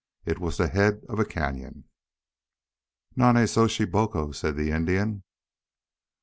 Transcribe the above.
It was the head of a cañon. "Nonnezoshe Boco!" said the Indian.